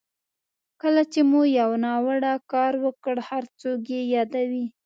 کله چې مو یو ناوړه کار وکړ هر څوک یې یادوي.